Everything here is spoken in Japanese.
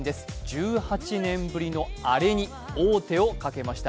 １８年ぶりのアレに王手をかけました。